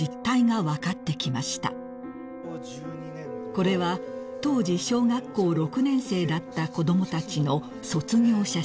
［これは当時小学校６年生だった子供たちの卒業写真］